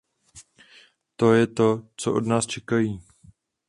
To je to, co od nás čekají.